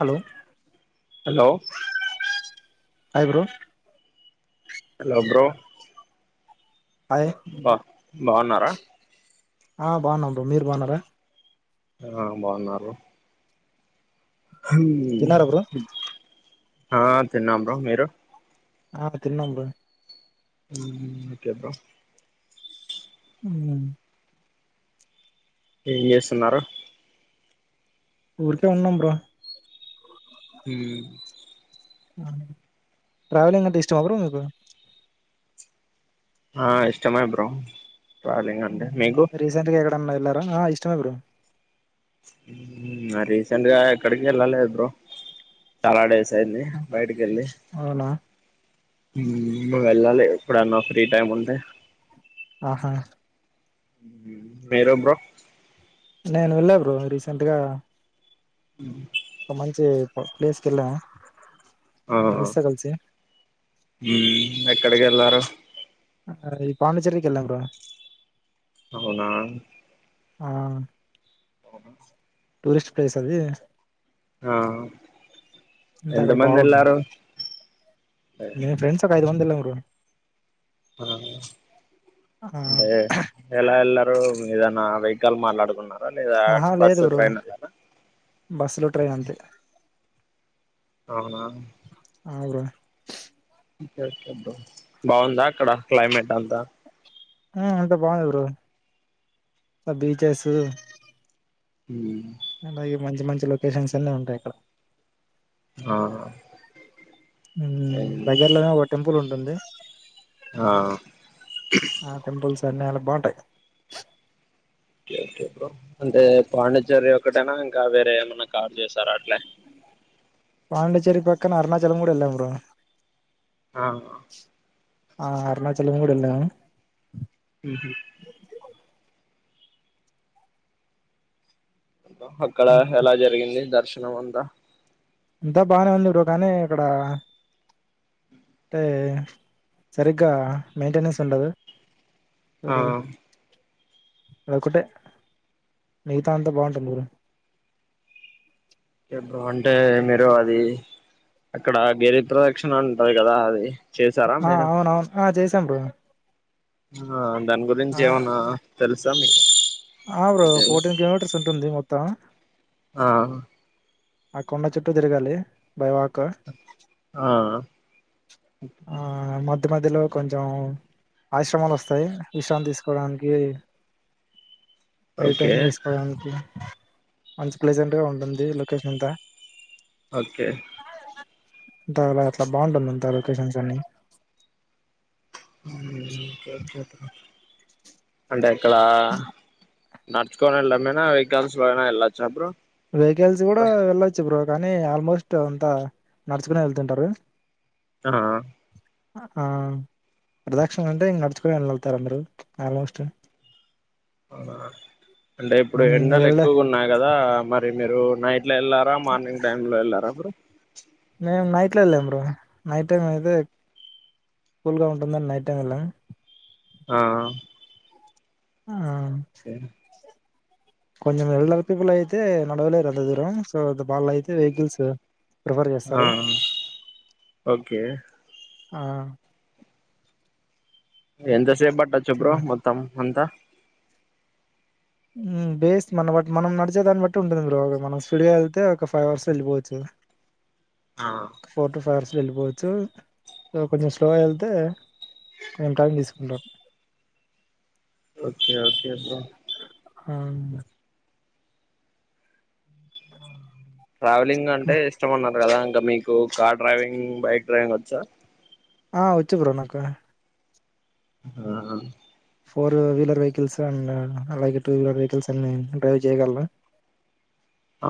Hello. Hello. Hi bro. Hello bro. Hi. బావున్నారా. ఆ బాగున్నాం బ్రో. మీరు బాగున్నారా? ఆ బావున్నారు. హామ్. తిన్నారా బ్రో ఆ తిన్నాం బ్రో. మీరు ఆ తిన్నాం బ్రో. హామ్ ఓకే బ్రో. ఉమ్. ఏం చేస్తున్నారు? ఊరికే ఉన్నాం. బ్రో. ఉమ్. ట్రావెలింగ్ అంటే ఇష్టమా బ్రో. మీకు ఆ ఇష్టమే బ్రో. ట్రావెలింగ్ హమ్ అంటే మీకు రీసెంట్ గా ఎక్కడనా వెళ్లార్. ఆఆ ఇష్టమే బ్రో. ఆ రీసెంట్ గా ఎక్కడికి ఎల్లలేదు బ్రో. చాలా డేస్ స్ య్యింది. బయిటికి వెళ్లి. అవునా ఉమ్ వెళ్ళాలె. ఎప్పుడన్న ఫ్రీ టైమ్ ఉంటే. ఆహా. మీరు బ్రో. నేను వెళ్ళ బ్రో. రీసెంట్ గా ఒ మంచి ప ప్లేస్ కెల్లా. ఫ్రెండ్స్ తో కలిసి. ఉమ్ ఎక్కడికి ఎల్లారు. అది పాండిచ్చేరి కి వెళ్ళాం బ్రో. అవునా. ఆ. టూరిస్ట్ ప్లేస్ అది. ఆ అంతే ఎంత అక్కడ మంది బాగుంటుంది ఎల్లారు మూడు ఆ ఆ అంటే ఎలా ఎల్లా బ్రో ఏదన్నా వెహికల్ మాట్లాడుకున్నా ఆహా లేదు బ్రో బస్సులు ట్రైన్ అంతే అవునా అవును బ్రో బావుందా అక్కడ క్లైమేట్ అంతా ఆ అంతా బావుంది బ్రో ఆ బీచెస్సు హ్మ్ అలాగే మంచి మంచి లొకేషన్స్ అన్ని ఉంటాయి అక్కడ ఆ హ్మ్ ఏం- దగ్గరలోనే ఒక టెంపుల్ ఉంటుంది ఆ దాన్ని అలా బావుంటాయి. ఒకే ఒకే బ్రో అంటే పాండిచ్చేరి ఒక్కటేనా ఇంకా వేరే ఏమన్నా కా జేసార్ అట్లే పాండిచ్చేరి పక్కన అరుణాచలం కూడా వెళ్ళాం బ్రో ఆ ఆ అరుణాచలం కూడ వెళ్ళాము. ఊహూ అక్కడ ఉమ్, ఎలా జరిగింది దర్శ ఎలవంద ఇంతా బానే ఉంది బ్రో కానీ అక్కడ అంటే సరిగ్గా మెయింటెనెన్స్ ఉండదు. ఆ అదొక్కటే మిగతా అంతా బావుంటుంది ఊరు ఎప్పుడు అంటే మీరు అది అక్కడ గిరి ప్రదక్షిణ ఉంటది కదా అది చేసారా ఆ మీరు అవునవును ఆ చేసాం త్తం బ్రో ఆ దాని ఆ గురించి ఏమన్నా తెలుసా [unintelligible] ఆ బ్రో డీటెయిల్ ఫోర్టీన్ కిలోమీటర్స్ ఉంటుంది. మొ త ఆ ఆ కొండ చుట్టూ తిరగాలి. బై వాక్ ఆ ఆ [inaudible] మధ్య మధ్యలో కొంచెం ఆశ్రమాలు వస్తాయి విశ్రాంతి తీసుకోడానికి ఓకే మెడిటేషన్ చేసుకోవడానికి మంచి ప్లెజెంట్ గా ఉంటుంది లొకేషన్ అంతా ఓకే తర్వా అట్లా బాగుంటుంద తర్వా కేషన్స్ అన్ని [inaudible] అంటాయ్ క్కలా నడుచుకొని ఏళ్ళమేన వెహికల్స్ పైన వెళ్ళచ్చా బ్రో వెహికల్స్ కూడా వెళ్ళొచ్చు బ్రో గాన్ అన్ని ఆల్మోస్ట్ అంత నడుచుకుని వెళ్తుంటారు ఆ ఆ ప్రదక్షిణ అంటే ఇంగ్ నడుచుకొని వెళ్ళ వెళ్తారు అందరూ ఆల్మోస్ట్ ఆవునా అంటే ఇప్పుడు ఉమ్, ఎండలు వెళ్ళ ఎక్కువగా ఉన్నాయి కదా మరి మీరు నైట్ లో వెళ్లారా మార్నింగ్ టైమ్ లో వెళ్ళారా బ్రో మేము నైట్లో వెళ్ళాం బ్రో నైట్ టైం అయితే కూల్గా ఉంటుందండి నైట్ టైం వెళ్ళాం ఆ ఆ దేనా కొంచెం [unintelligible] అయితుంది తే నడవలేరు అంతా దూరం సో దుప్ వాళ్ళయితే వెహికల్స్ ప్రిఫర్ ఆ చేస్తారు ఓకే ఆ ఎంతసే బట్ అ సో చెబ్ర మొత్తం అంతా మ్మ్ బేస్ మన బట్ మనం నడిచే దాన్ని బట్టి ఉంటుంది బ్రో మనం స్పీడ్గా వెళ్తే ఒక ఫైవ్ అవర్స్ లో వెళ్ళిపోవచ్చు ఆ ఫోర్ టు ఫర్స్ వెళ్ళిపోవచ్చు స కొంచెం స్లోగా వెళ్తే కొంచెం టైం తీసుకుంటాం ఓకే ఓకే బ్రో ఆవును ట్రావెలింగ్ అంటే ఇష్టమన్నారు కదా ఇంకా మీకు కార్ డ్రైవింగ్ బైక్ డ్రైవింగ్ వచ్చా ఆ వచ్చు బ్రో నాకు ఆ ఫోర్ వీలర్ వెహికల్స్ అండ్ అలాగే టూ వీలర్ వెహికల్స్ అన్ని డ్రైవ్ చేయ్యగలరా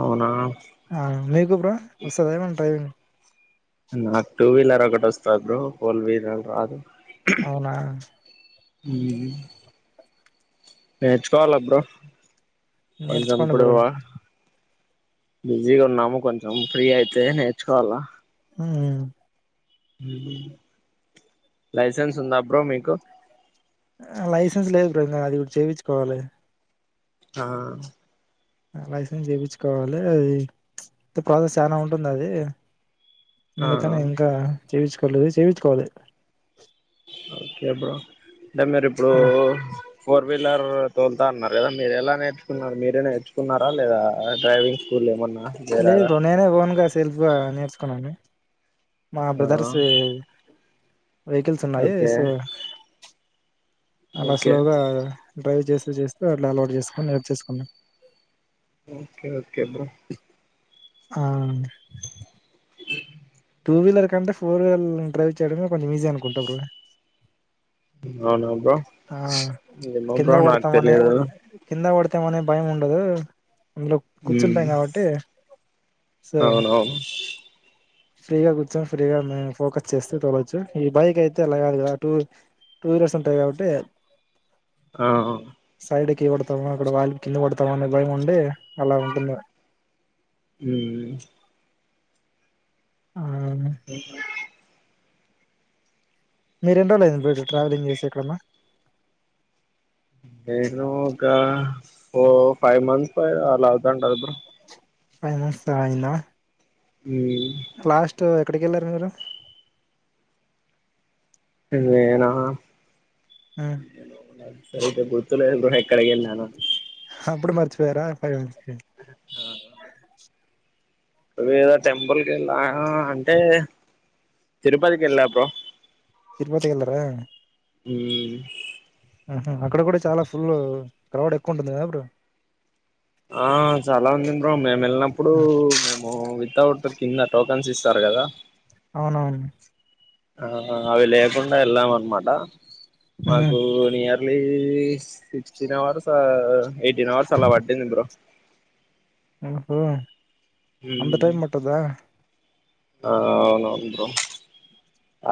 అవునా ఆ మీకు బ్రో వస్తాదా ఏమన్నా డ్రైవింగ్ నాక్ టూ వీలర్ ఒకటి వస్త బ్రో ఫోర్ వీలర్ రాదు అవునా హుహ్మ్ నేర్చుకోవాల బ్రో కొంచెం నేర్చుకోండి బ్రో ఇప్పుడువా బిజీగా ఉన్నము కొంచెం ఫ్రీ అయితే నేర్చుకోవాల్ల హుహ్మ్ లైసెన్స్ ఉందా బ్రో మీకు ఆ లైసెన్స్ లేదు బ్రో ఇంగా అది చేపించుకోవాలి ఆ లైసెన్స్ చేపించుకోవాలి. అది ప్రాసెస్ చాలా ఉంటుంది. అది ఆ అందుకనే ఇంకా చేవించుకోలేదు చేవించుకోవాలి ఒకే బ్రో అంటే మీరిప్పుడు అలా ఫోర్ వీలర్ తోలుతా అన్నారు కదా మీరు ఎలా నేర్చుకున్నారు, మీరే నేర్చుకున్నారా. లేదా డ్రైవింగ్ స్కూల్ ఏమన్నా లేదు చేరారా బ్రో నేనే ఓన్ గా ఏస్ తేల్ఫ్ గా నేర్చుకున్నాను మా ఆ బ్రదర్స్ యే వెహికల్స్ ఉన్నాయి ఓకే సో అలా ఓకే స్లోగా డ్రైవ్ చేస్ చేస్తే అట్లా అలవాటు చేసుకోని నేర్చేసుకున్న ఓకే ఓకే బ్రో ఆ టూ వీల్లర్ కంటే ఫోర్ వీల్ డ్రైవ్ చేయడమే కొంచెం ఈజీ అనుకుంటా. బ్రో అవునా బ్రో ఆ ఏమో బ్రో నాకు తెలియదు తాం అనే భయం ఉండదు. అందులో ఉమ్ కూర్చుంటాం కాబట్టి సో అవునవును ఫ్రీగా కూర్చొని ఫ్రీగా మే ఫోకస్ చేస్తూ తోలచ్చు. ఈ బైక్ అయితే అలా గాదు కదా టూ టూ వీలర్స్ ఉంటాయి కాబట్టి. ఆ ఓ సైడుకి పడతాము అక్కడ వాళ్ళు కింద పడతామ అనే భయం ఉండి అలా ఉంటుంది. ఉహ్మ్ ఆ మీరెన్ని డ్రోలైతంది బ్రో ఇట్లా ట్రావెలింగ్ చేసి ఎక్కడన్న నేను ఒక ఫో ఫైవ్ మంత్స్ పై అలా అవుతా ఉంటది. బో ఫైవ్ మంత్స్ అయిందా హుమ్మ్ ఎక్కడికెళ్లారు మీరు నేనా మ్ సరిగ్గా గుర్తుకు లేదు బ్రో ఎక్కడికి వెల్లినానో అప్పుడు మర్చపోయరా ఫైవ్స్ ఆ వివిద టెంపుల్కి వెళ్ళా అంటే తిరుపతికి వెళ్ళా బ్రో తిరుపతికి వెళ్ళార హ్ ఆహ అక్కడ కూడా చాలా ఫుల్ క్రౌడ్ ఎక్కువ ఉంటుంది కదా బ్రో ఆ చాలా ఉంది బ్రో మేము వెళ్ళినప్పుడు మేము వితౌట్ కిందటో కెన్స్ ఇస్తారు కదా అవునవును ఆ అవి లేకుండా వెళ్ళాం అనమాట ఉమ్. మకు ని అీ [unintelligible] సిక్స్టీన్ హవర్స్ ఎయిటీన్ హవర్స్ అలా పట్టింది బ్రో ఆహో అంత టైం మ్మ్ పట్టుద్దా ఆ అవునవును బ్రో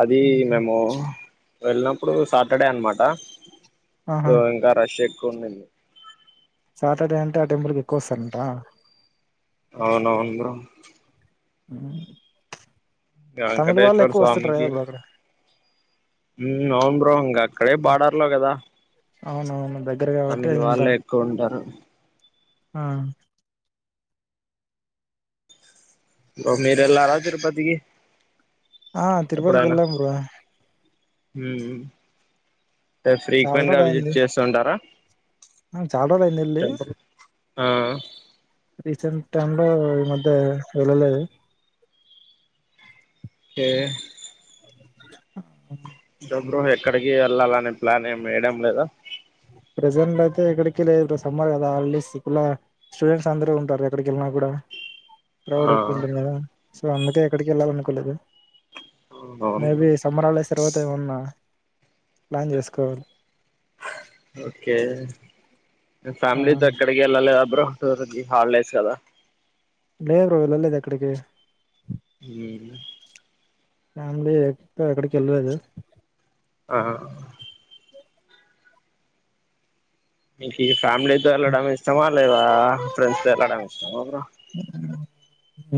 అది ఉమ్. మేము వెళ్ళినప్పుడు సాటర్డే అనమాట సో ఆహా ఇంకా రష్ ఎ కొన్నిది సాటర్డే అంటే ఆ టెంపుల్కి ఎక్కువ వస్తారంట అవునవును బ్రో ఉ వెంకటేశ్వర స్వామికి అవును ప్రహంగా [unintelligible] అక్కడే బార్డర్ లో కదా అవునవును దగ్గర కాబట్టి తమిళ ఇంత వాళ్ళు ఎక్కువ ఉంటారు ఆ బ్రో మీర ఎలా తిరుపతికి ఆ తిరుపతికి వెళ్లాం బ్రో హ్ అంటే చాలా ఫ్రీక్వెంట్ గా రోజులు అయింది విజిట్ చేస్తు ఉంటారా ఆ, చాలా రోజులు అయింది వెళ్ళి టెంపుల్ ఆ రీసెంట్ టైమ్ లో ఈ మధ్య వెళ్ళలేదు కె బ్రో బ్రో ఎక్కడికి వెళ్ళాలనే ప్లాన్ ఏమి వేయడం లేదా ప్రసెంటైతె ఎక్కడికి లేదు ఇప్పు సమ్మర్ కదా ఆల్రెడి స్టూడెంట్స్ అందర ఉంటారు ఎక్కడికెళ్ళిన కూడా ప్రౌడ్ ఆ ఎక్కువ ఉంటుంది గద సో అందుకే ఎక్కడికి వెళ్లాలనుకోలేదు అవును మే బ్రో బి సమ్మర్ హాలిడేస్ తర్వాత ఏమన్నా ప్లాన్ చేసుకోవాలి ఓకే ఆ ఫ్యామిలీతో ఎక్కడికి వెళలేదా అబ్రో తోరుది హాలిడేస్ కదా లేదు బ్రో ఎల్లలేదు ఎక్కడికి మ్మ్ ఫ్యామిలీ ఇప్ప ఎక్కడికి వెళ్ళలేదు ఆ మీకే ఫ్యామిలీతో వెళ్లడమా ఇష్టమా ఫ్రెండ్స్ తో వెళ్లడం ఇష్టమా బ్రో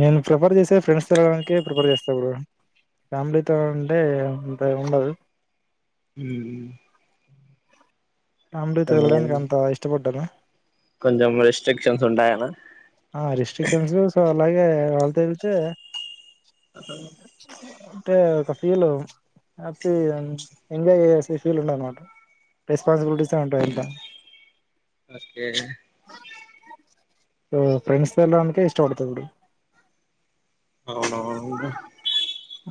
నేను ప్రిఫర్ చేసే ఫ్రెండ్స్ తో ఎలాడానికే ప్రిఫర్ చేస్తా బ్రో ఫ్యామిలీతో అంటే అంత ఉండదు మ్మ్ ఫ్యామిలీతో వెళ్లడానికి అంత ఇష్టపడను కొంచెం రిస్ట్రిక్షన్స్ ఉంటాయన్న ఆ రిస్ట్రిక్షన్స్ సో అలాగే వాళ్లతో ఎల్తే అంటే ఒక ఫీల్ హ్యాపీ ఎంజాయ్ చేస ఫీల్ ఉండ అన్నమాట రెస్పాన్సిబిలిటీ టీసే ఉంటాయి అంత ఓకే సో ఫ్రెండ్స్ ఎలాడానికే ఇష్టపడతదిడి అవునవునుంరా ఆ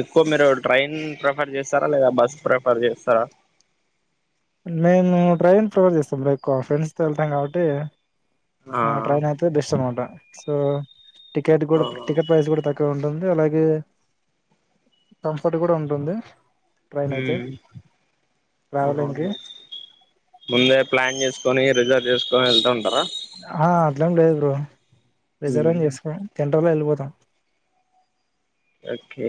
ఎక్కువ మీరు ట్రైన్ ప్రిఫర్ చేస్తారా లేదా బస్ ప్రిఫర్ చేస్తారా నేను ట్రైన్ ప్రిఫర్ చేస్తా బ్రో ఫ్రెండ్స్ తో వెళ్తాం కాబట్టి ఆ ట్రైన్ అయితే బెస్ట్ అనమాట సో టికెట్ ఆ కూడా టికెట్ ప్రైస్ కూడా తక్కువ ఉంది ఉంటుంది అలాగే కంఫర్ట్ కూడా ఉంటుంది ట్రైన్ అయితే మ్మ్ ట్రావెలింగ్ కి అవునవును ముందే ప్లాన్ చేసుకొని రిజర్వ్ చేసుకొని వెళ్తా ఉంటారా ఆ అట్లెం లేదు బ్రో రిజర్వం మ్మ్ ఏం చేసుకో ఎల్లిపోతాం ఓకే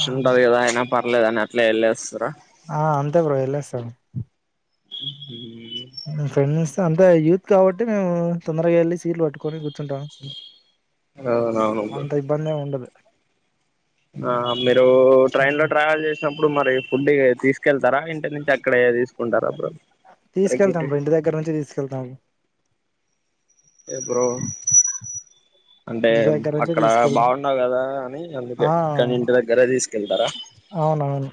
ఆ ఉంటది కదా అయినా పర్లేదు అని అట్లే ఎల్లేస్తాం ఆ అంతే బ్రో ఎల్లెస్తాారు [inaudible] ఫ్రెండ్స్ అంత యూత్ కాబట్టి మేము తొందరగా వెళ్ళ సీట్లూ పట్టుకోని అవునవును బ్రో అంత ఇబ్బంది ఏమి ఉండదు ఆ మీరు ట్రైన్ లో ట్రావెల్ చేసి అప్పుడు మరి ఫుడ్ తీసుకెళ్తారా ఇంటి నుంచి అక్కడే తీసుకుంటారా బ్రో తీసుకెళ్తాం తగ్గిటి ర ఇంటి దగ్గర నుంచి తీసుకెళ్తాము ఎ బ్రో అంటే ఇంటి దగ్గర నుంచి అక్కడ తీసుకెళ్తాం బాగుండవు కదా అని అందుకే ఆ ఇక్కన్నే ఇంటి దగ్గరే తీసుకెళ్తారా అవునవును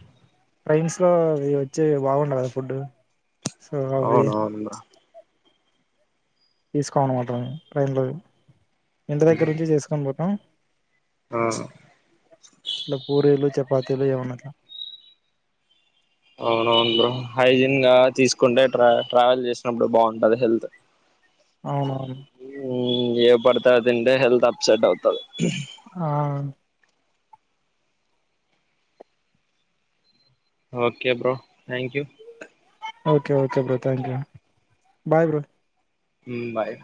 ట్రైన్స్ లో ఇ వచ్చి బాగుండ కదా ఫుడ్ సో అవి అవునవును బ్రో తీసుకో మనమాట ట్రైన్లో వి ఇంటి దగ్గర నుంచి చేసుకోని పోతాం ఆ ఇల పూరీలు చపాతీలు ఏవన్నట్ల అవునవును బ్రో హైజీన్ గా తీసుకుంటే ట్రా ట్రావెల్ చేసినప్పుడు బాగుంటది హెల్త్ అవునవును హుమ్మ్ ఏవి పడితే అవి తింటే హెల్త్ అప్సెట్ అవుతది ఆ okay bro thank you okay okay bro thank you bye bro hmm bye